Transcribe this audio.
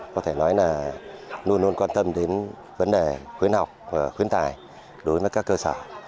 có thể nói là luôn luôn quan tâm đến vấn đề khuyến học và khuyến tài đối với các cơ sở